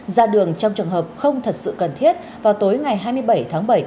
ra đường trong trường hợp không thật sự cần thiết vào tối ngày hai mươi bảy tháng bảy